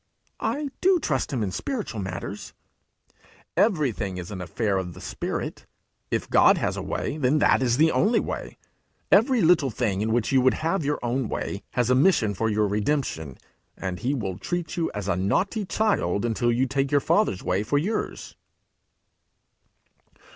'I do trust him in spiritual matters.' 'Everything is an affair of the spirit. If God has a way, then that is the only way. Every little thing in which you would have your own way, has a mission for your redemption; and he will treat you as a naughty child until you take your Father's way for yours.'